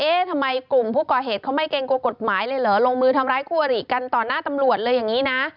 ทำไมกลุ่มผู้ก่อเหตุเขาไม่เกรงกลัวกฎหมายเลยเหรอลงมือทำร้ายคู่อริกันต่อหน้าตำรวจเลยอย่างนี้นะ